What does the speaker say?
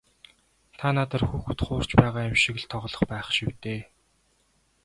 Та надаар хүүхэд хуурч байгаа юм шиг л тоглож байх шив дээ.